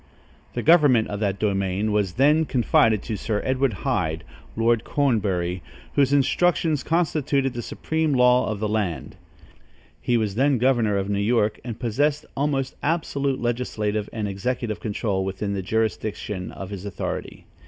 The government of that domain was then confided to Sir Edward Hyde (Lord Cornbury), whose instructions constituted the supreme law of the land. He was then governor of New York and possessed almost absolute legislative and executive control within the jurisdiction of his authority.